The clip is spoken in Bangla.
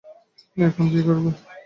এখন কী করবে?